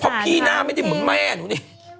เพราะพี่หน้าไม่ได้เหมือนแม่หนูนี่